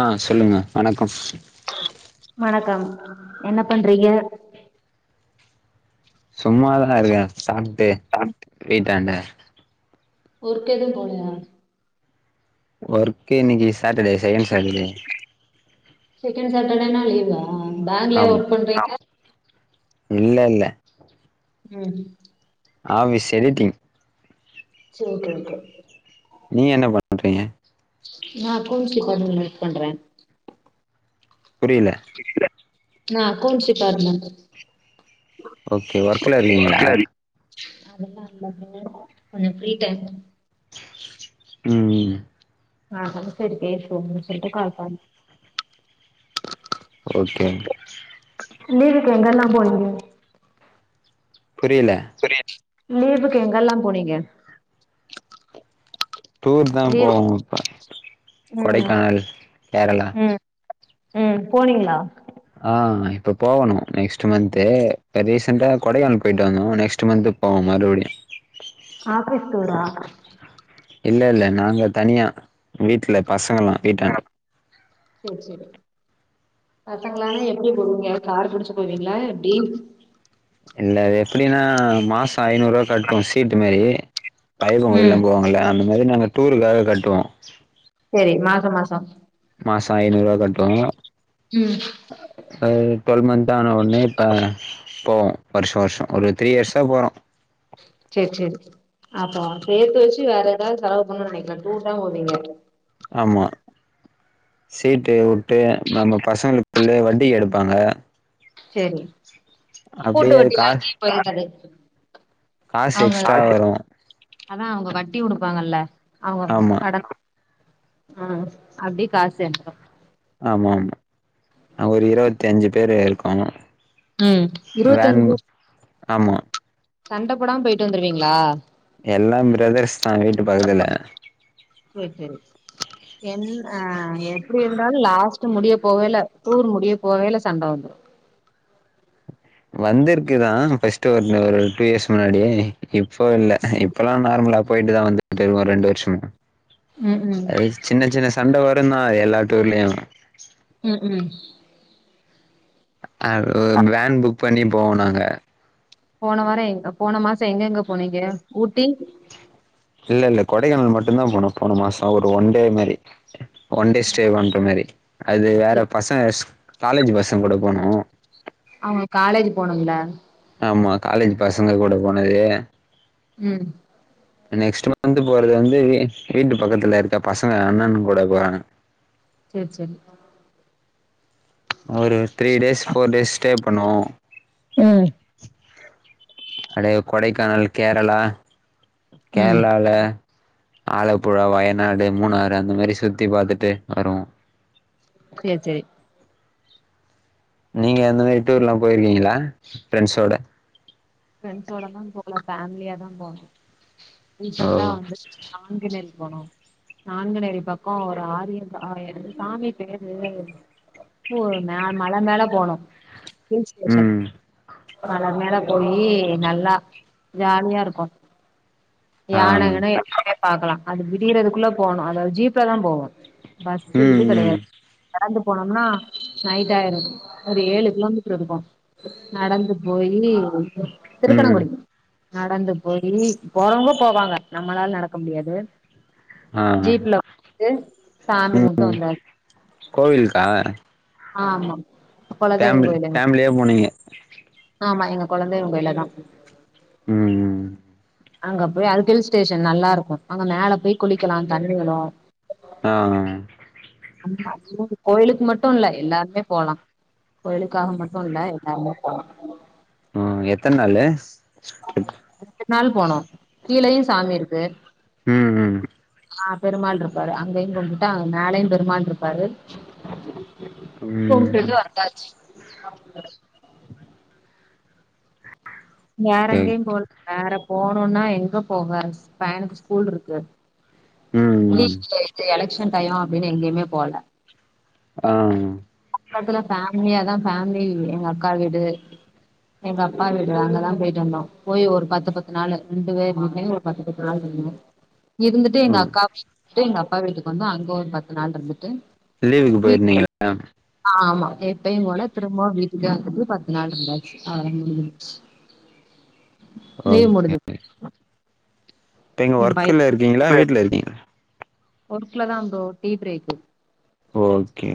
ஆ சொல்லுங்க வணக்கம் வணக்கம் என்ன பண்றீங்க சும்மாதான இருக்கே சாப்ட்டு வீட்டாண்ட ஒர்க்கெதுவு போலயா ஒர்க்கு இன்னிக்கு சாட்டர்டே செகண்ட் சாட்டர்டே செகண்ட் சாட்டர்டேனா லீவா பேங்க்லயா ஆமா ஒர்க் பண்றீங்க இல்ல இல்ல உம் ஆ வீ செரிட்டிங் செரி ஓகே ஓகே ஓகே நீங்க என்ன பண்ணறீங்க நா அக்கவுண்ட்ஸ் டிபார்ட்மெண்ட்ல ஒர்க் பண்றே புரியல நா அக்கவுண்ட்ஸ் டிபார்ட்மெண்ட் ஓகே ஒர்க்ல இருக்கீங்களா அதெல்லா இல்லங்க கொஞ்சோ ஃப்ரீ டைமு ம் ஆ பஸ்ட்டே பேர் போட்னோன்னு சொல்ட்டு கால் பண்ண ஓகே இந்த வீக் எங்கெல்லா போனீங்க புரியல லீவுக்கு எங்கெல்லா போனீங்க டூர் தா லீவ் போவோ இப்ப ம் கொடைக்கானல் கேரளா ம் ம் போனீங்களா ஆ இப்ப போவணோ நெக்ஸ்ட்டு மந்த்து ரீசெண்டா கொடைக்கானல் போயிட்டு வந்தோ நெக்ஸ்ட்டு மந்த் போவோ மறுபடியு ஆஃபீஸ் டூரா இல்ல இல்ல நாங்க தனியா வீட்ல பசங்கலா வீட்டாண்ட சேரி சேரி பசங்களானா எப்டி போவீங்க கார் பிடிச்சு போவீங்களா எப்டி இல்ல அது எப்புடின்னா மாசோ ஐநூறு ரூபா கட்டுவோ சீட்டு மாரி ஐயப்ப கோயிலுக்குலா ம் போவாங்கல அந்த மாரி நாங்க டூருக்காக கட்டுவோ சரி மாசம் மாசோ மாசோ ஐநூறுவா கட் உம் அ டுவல் மந்த் ஆன ஒட்னே இப்ப போவோ வர்ஷ வர்ஷோ ஒரு த்ரீ இயர்ஸா போறோ சேரி சேரி அப்போ சேத்து வெச்சு வேற எதாவது செலவு பண்ணோனு நெனைக்கல டூர்தா போவீங்க ஆமா சீட்டு உட்டு நம்ம பசங்களுக் புள்ளய வட்டிக்கு எடுப்பாங்க சேரி அப்டியே அது கூட்டுவட்டி கா நகி பொருந்தாது காசு அவ்ங் எக்ஸ்ட்ரா வரு அதா அவ்ங்க வட்டி குடுப்பாங்கல்ல அவுளோதா ஆமா அடக்கு அ அப்டியே காஸ் சேந்துரு ஆமா ஆமா நாங்க ஒரு இருவத்தி அஞ்சு பேரு இருக்கோங்க ம் இருவத்தஞ்சு பேரு ஆமா சண்ட போடாம் போய்ட்டு வந்துருவீங்ளா எல்லா பிரதர்ஸ்தா வீட்டு பக்கத்துல சேர் சேரி என் அ எப்டி இருந்தாலு லாஸ்ட் முடிய போவேல டூர் முடிய போவேல சண்ட வந்துரு வந்திருக்குதா ஃபஸ்ட் ஒன்னு ஒரு‌ ட்டூ இயர்ஸ் முன்னாடி இப்போ இல்ல அ இப் பலா நார்முலா போய்ட்டுதா வந்துட் இருக்கோ ரெண்டு வர்ஷமா ம் ம் அது சின்ன சின்ன சண்ட வருந்தா எல்லா டூர்லயு ம் ம் அ உ வேன் புக் பண்ணி போவோ நாங்க போன வாரோ எங் போன மாசோ எங்கெங்க போனீங்க ஊட்டி இல்ல இல்ல கொடைக்கானல் மட்டுந்தா போனோ போன மாசோ ஒரு ஒன்டே மாரி ஒன்டே ஸ்டே பண்ற மாரி அது வேற செரி பசங்க காலேஜ் பசங் கூட போனோ அவ்ங்க காலேஜு போனும்ள ஆமா காலேஜ் பசங்க கூட போனது ம் நெக்ஸ்ட்டு மந்த்து போறது வந்து வீ வீட்டு பக்கத்துல இருக்க பசங்க அண்ணன்ங் கூட போறாங்க சேர் செரி அ ஒரு three days four days stay பண்ணுவோ ம் அப்டே கொடைக்கானல் கேரளா ம் கேர்ளால ஆலப்புழா வயநாடு மூணாறு அந்த மாரி சுத்தி பாத்துட்டு வருவோ சேர் சேரி நீங்க அந்த மாரி டூர்லா போயிருக்கீங்குளா ஃபிரெண்ஸோட ஃபிரெண்ஸோடலா போல ஃபேமிலியாதா போனோ ஓ ரீசண்ட்டா வந்து நான்குனேரிக் போனோ நான்குனேரி பக்கோ ஒரு ஆரியன் ஆயன் சாமி பேரு போன அது மல மேல போனு ஹில்ஸ் ஸ்டேஷன் ம் மல மேல போயி நல்லா ஜாலியா இருக்கு ஆ யான எங்கனையு எங்கயு பாக்குலா அது விடியறதுக்குள்ள போணு அதாவ்து ஜீப்லதா போவோ பஸ்ஸு ம் இது கெடையா ம் நடந்து போனோம்னா நைட் ஆய்ரு ஒரு ஏழு கிலோமீட்ரு இருக்கு நடந்து போயி ம் திருக்கணங்குடி நடந்து போயி போறவ்ங்க போவாங்க நம்மளால் நடக்க முடியாது ஆ ஜீப்புல ந்து சாமி கும்ட்டு வந்தா கோவில்க்கா ஆமா இப் கொலதெய்வங் கோயிலிங்கு ஃபேமிலியா போனீங்க ஆமா எங்க கொலதெய்வோ கோயில் அதா ம் ம் அங்க போய் அது ஹில் ஸ்டேஷன் நல்லா இருக்கு அங்க மேல போய் குளிக்கலா தண்ணி வரு ஆ அ அம் அம் கோயிலுக்கு மட்டு மட்டு இல்ல எல்லாருமே போலா கோயிலுக்காக மட்டு இல்ல எல்லாருமே போலா ம் எத்தனாலு ரெண்டு நாள் போனோ கீழேயு சாமி இருக்கு ம் ம் ஆ பெருமாள் இருப்பாரு அங்கயுங்கும்ட்டா மேலையு பெருமாள் இருப்பாரு [inaudible] ம் கும்ட்டு வந்தாச்சு [unintelligible] வேற ஓகே எங்கயு போல வேற போணுனா எங்க போக பையானுக்கு ஸ்கூல் இருக்கு ம் எஃக்ச அப்டினு எங்கயுமே போல ஆம் பக்கதுல ஃபேமிலியாதா ஃபேமிலி எங்கக்கா வீடு எங்க அப்பா வீடு அங்கதா போயிட்டு வந்தோ போயி ஒரு பத்து பத்து நாளு ரெண்டு பேர் வீட்லேயோ ஒரு பத்து பத்து நாள் இருந்தோ இருந்துட்டு எங்க அக்கா வீட்டுக்கு எங்க அப்பா வீட்டுக்கு வந்தோ அங்க ஒரு பத்து நாள் இருந்துட்டு வீ [unintelligible] ள ஆமா எப்பயு போல திரும்பவு வீட்டுக்கே வந்துட்டு பத்து நாள் இருந்தாச்சு அவளோதா முடிச்சுரு [inaudible] ஓக்கே முடிஞ்சிரு எ பை [unintelligible] வீட்ல இருக்கீங்களா ஒர்க்லதா வந்தோ டீ பிரேக்கு ஓக்கே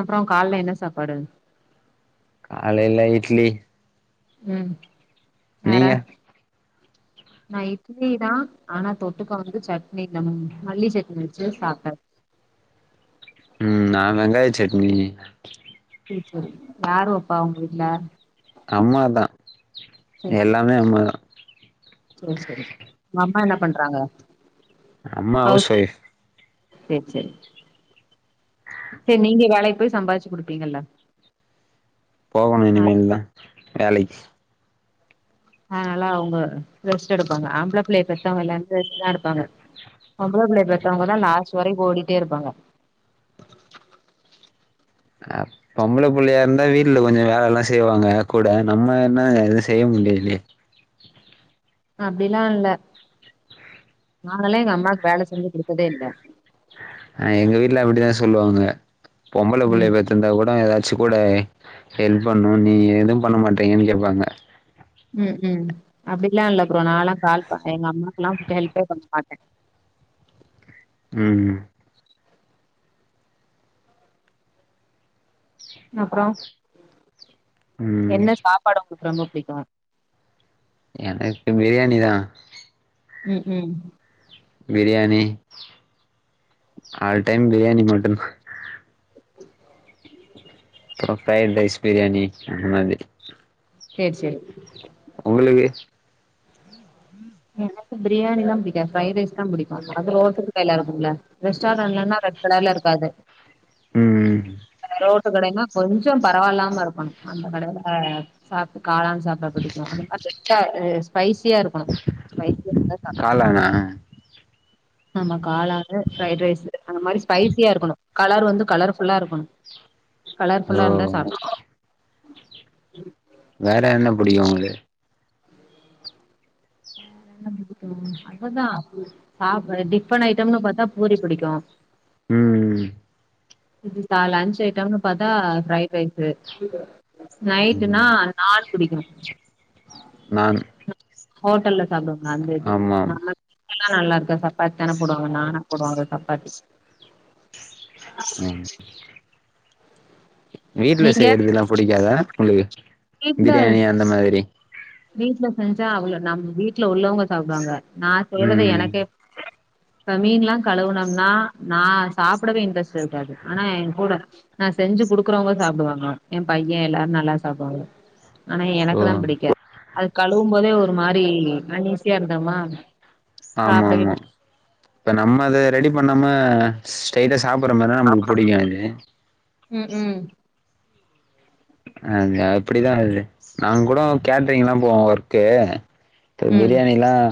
அப்றோ கால்ல என்ன சாப்பாடு காலையில இட்லி ம் வேற நீங்க நா இட்லி தா ஆனா தொட்டுக்க வந்து சட்னி மல்லி சட்னி வெச்சு சாப்ட்டே ம் நா வெங்காய சட்னி ம் சேரி யாருவெப்பா உங்கு வீட்ல அம்மா தா சேரி சேரி எல்லாமே அம்மாத சேரி சேரிங் உங்க அம்மா என்ன பண்றாங்கோ அம்மா அவுஸ்ஒய்ஃப் ம் செரி செரி நீங்க வேலைக்போய் சம்பாச்சு குடுப்பீங்கல்ல போகணு ஆ இனிமேல் தா வேலைக்கு ஆ நல்லா அவுங்க யோதரெஸ்ட்டுத் எடுப்பாங்கோ ஆம்ல புள்ளய பெத்தவங்க எல்லாருமே ரெஸ்டுதா எடுப்பாங்க பொம்ள புள்ளய பெத்தவங்கதா லாஸ்டு வரைக்கோ ஓடிட்டே இருப்பாங்க ஆப் பொம்ள புள்ளயா இருந்தா வீட்ல கொஞ்சோ வேலல்லா செய்வாங்க கூட நம்ம என்ன செய்ய முல்ல இல்லியே அ அப்டிலா இல்ல நாங்கல்லா எங்க அம்மாக்கு வேல செஞ்சு கொடுத்ததே இல்ல அ எங்க வீட்ல அப்டிதா சொல்லுவாங்க பொம்பள ம் புள்ளய பெத் இருந்தா கூட ஏதாச்சு கூடே ஹெல்ப் பண்ணோ நீ எதுவும் பண்ண மாட்டீங்க கேப்பாங்க ம் உம் அப்டிலா இல்ல ப்ரோ நாளா கால்ப்ப எங்க அம்மாக்லா எ ஹெல்ப்பே பண்ண மாட்டே ம் ம் ம் அப்றோ ம் என்ன சாப்பாடு உங்ளுக்கு ரொம்போ புடிக்கோ எனக்கு பிரியாணி தா ம் ம் பிரியாணி ஆல் டைம் பிரியாணி மட்டோந்தா அப்புறம் ஃரைட் ரைஸ் பிரியாணி அந்த மாரி சேர் செரி உங்ளுக்கு எனக்கு பிரியாணிதா பிடிக்காது ஃப்ரைட் ரைஸ் தா பிடிக்கு அது ரோட்டு கடைல இருக்குமுல்ல ரெஸ்டாரெண்ட்லனா ரெ கடைல இருக்காது ம் ரோட்டு கடைன்னா கொஞ்சோ பரவாயில்லாம இருக்கோ அந்த கடைல அ சாப்டு காளான் சாப்ட புடிக்கோ அந்த மாரி லைட்டா ஸ்பைசியா இருக்கனோ பைக் ல வந்து காளானா ஆமா காளாறு ஃப்ரைட் ரைஸ்சு அந்த மாரி ஸ்பைசியா இருக்கணோ கலரு வந்து கலர்ஃபுல்லா இருக்கணோ ஓ கலர்ஃபுல்லா இருந்தா சாப் வேற என்ன புடிக்கோ உங்ளு அவ்ள தா சாப்ற டிஃபன் ஐட்டம்னு பாத்தா பூரி புடிக்கோ ம் லன்ச் ஐட்டம்னு பாத்தா ப்ரைட் ரைஸ் நைட்னா ம் நாள் குடிக்கணும் நானு ஹோட்டல்ல சாப்டுவாங்க அந்த இது ஆமாம் நம்ம எல்லாம் நல்லா இருக்க சப்பாத்தி தானே போடுவாங்க நானா போடுவாங்க சப்பாத்தி ம் வீட்ல நீங்க செய்யறதல்லாம் புடிக்காதா உங்களுக்கு பிரியாணி அந்த மாதிரி வீட்டு்ல செஞ்சா அவ்வளவு நம் வீட்டல உள்ளவங்க சாப்டுவாங்க நான் செய்யறத ம் எனக்கே இப்ப மீன்லாம் கழுவுனும்னா நான் சாப்டவே இன்ட்ரெஸ்ட் இருக்காது ஆனா என் கூட நான் செஞ்சு குடுக்குறவங்க சாப்டுவாங்க என் பையன் எல்லாரும் நல்லா சாப்டுவாங்க ஆனா எனக்கு ஓ தா புடிக்காது அது கழுவும் போதே ஒரு மாரி அன்னிஸியா இருந்தம்மா ஆமா ஆமா இப்ப நம்ம அத ரெடி பண்ணாம ஸ்ட்டைா சாப்ற மாரினா நம்ளுக்கு புடிக்கும் அது ம் ம் அ அப்டிதான் வருது நாங்க கூட கேட்ரிங் எல்லாம் போவோம் ஒர்க்கு ம் பிரியாணிலாம்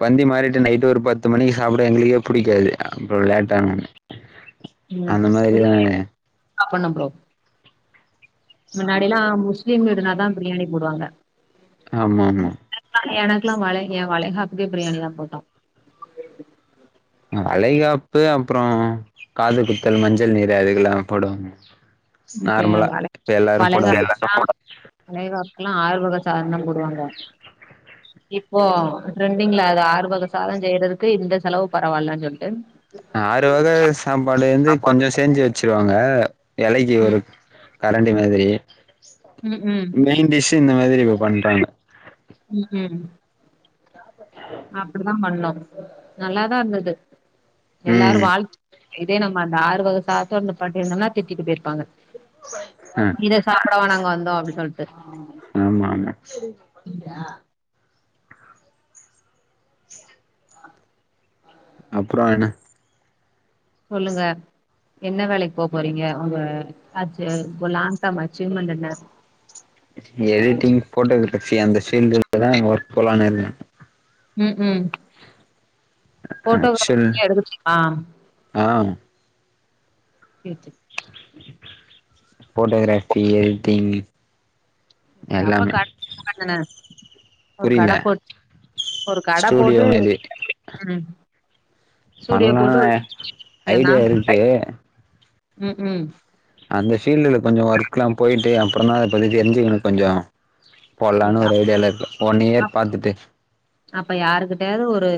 பந்தி மாறிட்டு நைட்டு ஒரு பத்து மணிக்கு சாப்பிட எங்களுக்கே புடிக்காது அப்றம் லேட் ஆனும் ம் புடிக்கல ஸ்டாப் பண்ணும் பரோ முன்னாடிலாம் முஸ்லீம் வீடுனாாதா பிரியாணி போடுவாங்க ஆமாமா எனக்குல்லாம் வள ஏ வளகாப்புக்கே பிரியாணி தா போட்டோம் வளைகாப்பு அப்றம் காது குத்தல் மஞ்சள் நீர் அதுக்கெல்லாம் போடுவாங்க இப்ப நார்மலா என் வள இப்ப எல்லாரு போடாங்க வளகாப்புகா வளகாப்புகல்லாம் ஆறு வக சாதம் போடுவாங்க இப்போ டரெண்டிங்ல அது ஆறு வக சாதம் செய்யறதுக்கு இந்த செலவு பரவாயில்லன்னு சொல்லிட்டு ஆறு வகை சாப்பாடு இருந்து சாப்பாடு கொஞ்ச செஞ்சு வச்சிருவாங்க இலைக்கு ஒரு ம் கரண்டி மாதிரி ம் ம் மெயின் டிஷ் இந்த மாதிரி இப்ப பண்றாங்க ம் ம் நா அப்டித்தான் பண்ணோம் நல்லாதான் இருந்தது எல்லாரும் ம் வாழ் இதே நம்ம அந்த ஆறு வக சாதத்தோட நிப்பாட்டிட்ருந்தோம்னா திட்டிட்டு போயிருப்பாங்க அ இத சாப்படவா நாங்க வந்தோம் அப்டின்னு சொல்லிட்டு ஆமா ஆமா அப்பறோ என்ன சொல்லுங்க என்ன வேலைக்கு போ போறீங்க உங்க ஆச்சி லாங் டைம் அச்சீவ்மெண்ட் என்ன எடிட்டிங் போட்டோகிராஃபி அந்த பீல்டுலதான் ஒர்க் போலான்னு இருந்தேன் ம் ம் போட்டோகிராபி ஆக்சுவல் எடுக்கச்சமா ஆ ஏத்து போட்டோகிராஃபி எடிட்டிங்கு எப்ப காட் வாங்குனே ஒரு புரியல கட போட்டு ஒரு கட ஸ்டூடியோ போட்டு மாரி ம் ஸ்டுடியோ பண்ணலா போட்டு ஏன்னா ஐடியா இருக்கு ம் ம் அந்த ஃபீல்டுல கொஞ்சம் ஒர்க் எல்லாம் போயிட்டு அப்புறம் தான் அதை பத்தி தெரிஞ்சக்கணும் கொஞ்சம் போலாம்னு ஒரு ஐடியால இருக்கு ஒன்னு இயர் பாத்துட்டு அப்ப யாருக்கிட்டாவது ஒரு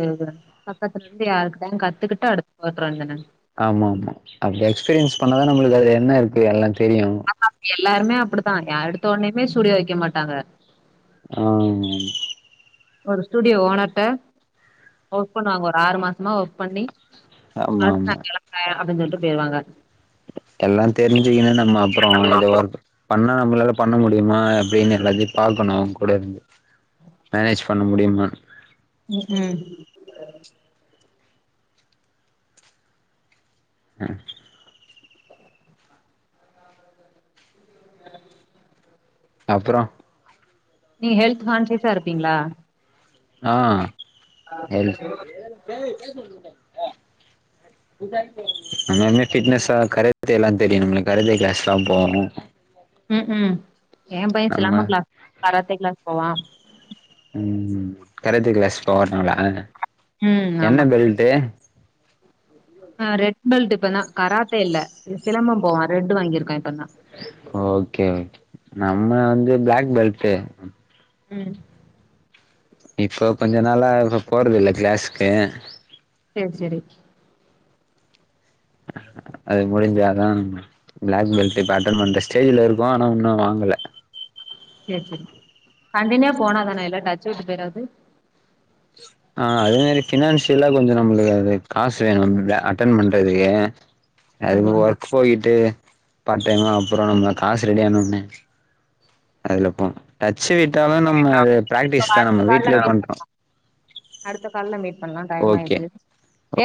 பக்கத்துல இருந்து யார்கிட்டயாது கத்துக்கிட்டு அடுத்து போட்டுருவ என்னன்னு ஆமா ஆமா அப்டி எக்ஸ்பீரியன்ஸ் பண்ணாதான் நம்மளுக்கு அது என்ன இருக்கு எல்லாம் தெரியும ஆமா எல்லாருமே அப்படித்தான் யாஎடுத்த உடனுமே ஸ்டுடியோ வைக்க மாட்டாங்க ஆ ஒரு ஸ்டுடியோ ஓனரிட்ட ஒர்க் பண்ணுவாங்க ஒரு ஆறு மாசமா ஒர்க் பண்ணி ஆமா அ ஆமா நான் கிளம்பறன் அப்டின்னு சொல்லிட்டு போய்ருவாங்க எல்லாம் தெரிஞ்சுக்கன்னா நம்ம அப்புறம் இதோ ஒரு சொன்னா நம்மளால பண்ண முடியுமா அப்டின்னு எல்லாத்தையும் பாார்கக்கணும் கூட இருந்து மேனேஜ் பண்ண முடியுமா ம் ம் ம் அப்பறோ நீங்க ஹெல்த் கான்சியஸா இருப்பீங்களா ஆ ஹெல்ப் நம்மே பிட்னஸ்ஸா கடையபத்தி எல்லாமே தெரியனும் கடைல கிளாஸ்ல்லாம் போடனும் ம் ம் என் பையன் நம்ம சிலாம்மம் கிளாஸ் கராத்தே கிளாஸ் போவான் ம் ம் கராத்தே கிளாஸ் போவானூங்களா ம் என்ன ஆமா பெல்ட்டு ஆ ரெட் பெல்ட் இப்ப தான் கராத்தே இல்ல சிலம்பம் போவான் ரெட் வாங்கியிருக்கான் இப்ப தான் ஓகே ஓகே நம்ம வந்து பிளாக் பெல்ட் ம் இப்போ கொஞ்ச நாளா இப்ப போறத இல்ல கிளாஸ்கு சேர் சரி அது முடிஞ்சாதா நம்ம பிளாக் பெல்ட் இப்ப அட்டன் பண்ற ஸ்டேஜல இருக்கோ ஆனா இன்னு வாங்கல சரி சரி கண்டினியா போனாதானே இல்ல டச்சு விட்டு போயராது ஆ அதே மாரி பினான்சியல்லா கொஞ்ச நம்மளுக்கு அது காசு வேணும்ல்ல அட்டன் பண்றதுக்கு அது அதுவு ஒண்ணுதா ஒர்க் போயகிட்டு பார்ட் டைமா அப்புறோ நம்ம காசு ரெடி ஆனோன்னே அதுல போம் டச்சு விட்டாலும் நம்ம அது பிராக்டிஸ் தான் அடுத்த நம்ம கால்ல வீட்லயே மீட் பண்றோ அடுத்த கால்ல மீட் பண்லா டைம் ஓகே ஆயிடுச்சு